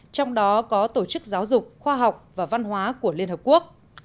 trong đó có tổ chức giáo dục khoa học và văn hóa của liên hợp quốc